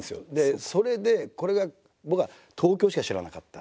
それでこれが僕は東京しか知らなかった。